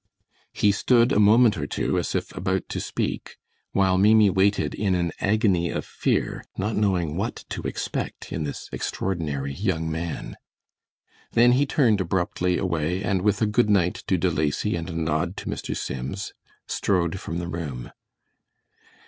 He stood a moment or two as if about to speak, while Maimie waited in an agony of fear, not knowing what to expect in this extraordinary young man. Then he turned abruptly away, and with a good night to De Lacy and a nod to Mr. Sims, strode from the room.